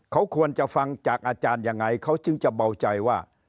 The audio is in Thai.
เขาควรจะฟังจากอาจารย์ยังไงเขาจึงจะเบาใจว่า